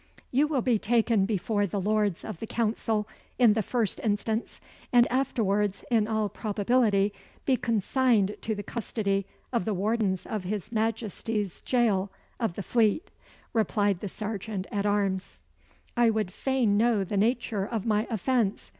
"You will be taken before the Lords of the Council in the first instance, and afterwards, in all probability, be consigned to the custody of the wardens of his Majesty's gaol of the Fleet," replied the serjeant at arms. "I would fain know the nature of my offence?"